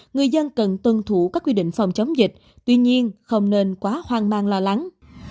người dân cần tuân thủ các quy định phòng chống dịch tuy nhiên không nên quá hoang mang lo lắng